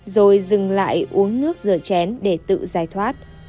rồi dừng lại uống nước rửa chén để tự giải thoát